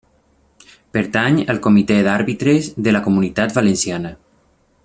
Pertany al Comitè d'Àrbitres de la Comunitat Valenciana.